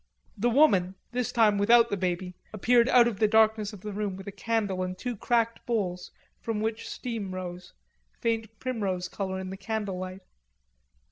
The woman, this time without the baby, appeared out of the darkness of the room with a candle and two cracked bowls from which steam rose, faint primrose color in the candle light.